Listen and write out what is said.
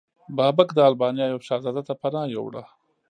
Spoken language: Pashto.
بابک د البانیا یو شهزاده ته پناه یووړه.